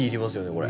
これ。